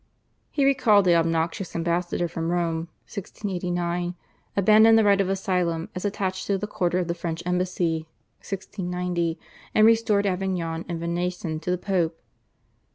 He recalled the obnoxious ambassador from Rome (1689), abandoned the right of asylum as attached to the quarter of the French embassy (1690), and restored Avignon and Venaissin to the Pope.